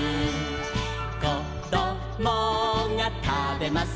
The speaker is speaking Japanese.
「こどもがたべます